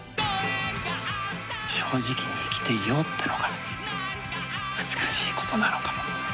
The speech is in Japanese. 正直に生きていようというのが美しいことなのかも。